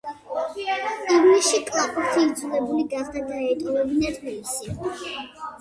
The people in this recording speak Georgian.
ივნისში კლაპროთი იძულებული გახდა დაეტოვებინა თბილისი.